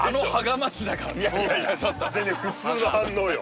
いやいやいやいや全然普通の反応よ